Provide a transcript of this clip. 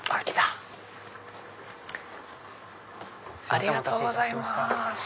ありがとうございます。